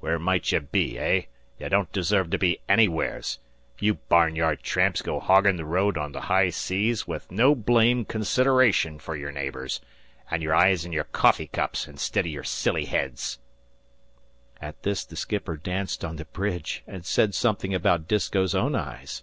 "Where might ye be eh? Ye don't deserve to be anywheres. You barn yard tramps go hoggin' the road on the high seas with no blame consideration fer your neighbours, an' your eyes in your coffee cups instid o' in your silly heads." At this the skipper danced on the bridge and said something about Disko's own eyes.